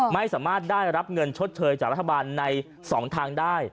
ไม่สามารถได้รับเงินชดเชยจากรัฐบาลใน๒ทางได้